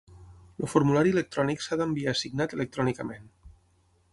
El formulari electrònic s'ha d'enviar signat electrònicament.